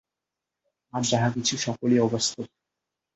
আর যাহা কিছু, সকলই অবাস্তব।